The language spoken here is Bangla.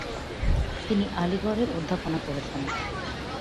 তিনি আলিগড়ে অধ্যাপনা করেছেন।